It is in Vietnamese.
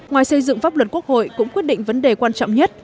ngoài xây dựng pháp luật quốc hội cũng quyết định vấn đề quan trọng nhất